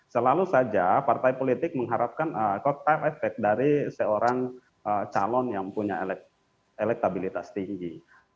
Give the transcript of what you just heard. selalu saja partai politik mengharapkan efek dari seorang calon yang punya elektabilitas tinggi